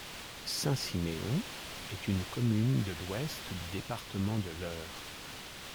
Saint-Siméon est une commune de l'Ouest du département de l'Eure.